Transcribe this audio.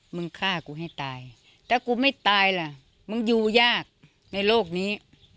มึงฆ่ากูให้ตายถ้ากูไม่ตายล่ะมึงอยู่ยากในโลกนี้